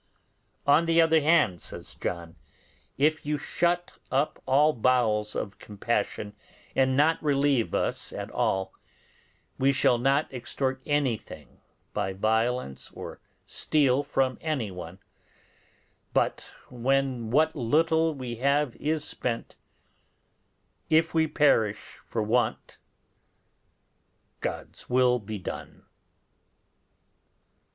'On the other hand,' says John, 'if you shut up all bowels of compassion, and not relieve us at all, we shall not extort anything by violence or steal from any one; but when what little we have is spent, if we perish for want, God's will be done.